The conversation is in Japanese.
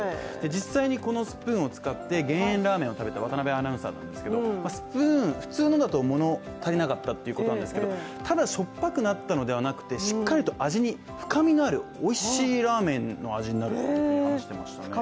実際にこのスプーンを使って減塩ラーメンを食べた渡部アナウンサーなんですけど普通のだと物足りなかったということなんですけど、ただしょっぱくなったのではなくてしっかりと味に深みのあるおいしいラーメンの味になると話していましたね。